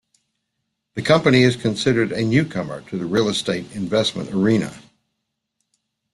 The company is considered a newcomer to the real-estate investment arena.